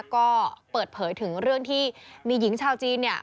ก็เปิดเผยถึงเรื่องที่มีหญิงชาวจีนเนี่ย